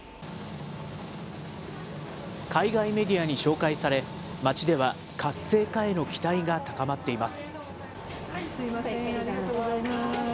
海外メディアに紹介され、街では活性化への期待が高まっています。